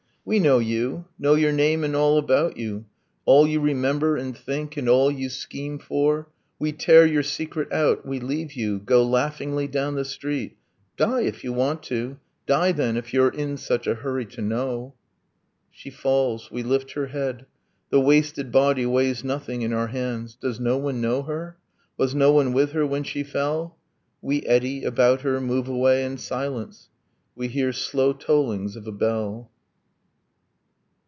We know you know your name and all about you, All you remember and think, and all you scheme for. We tear your secret out, we leave you, go Laughingly down the street. ... Die, if you want to! Die, then, if you're in such a hurry to know! .... She falls. We lift her head. The wasted body Weighs nothing in our hands. Does no one know her? Was no one with her when she fell? ... We eddy about her, move away in silence. We hear slow tollings of a bell.